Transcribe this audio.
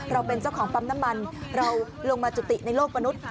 เราเป็นเจ้าของปั๊มน้ำมันเราลงมาจุติในโลกมนุษย์